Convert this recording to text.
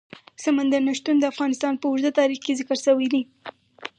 سمندر نه شتون د افغانستان په اوږده تاریخ کې ذکر شوی دی.